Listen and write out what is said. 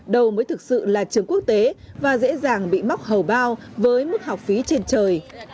đâu mới thực sự là trường quốc tế và dễ dàng bị mắc hầu bao với mức học phí trên trời